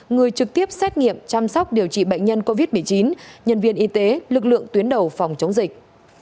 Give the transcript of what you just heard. người trực tiếp xét nghiệm chăm sóc điều trị bệnh nhân covid một mươi chín nhân viên y tế lực lượng tuyến đầu phòng chống dịch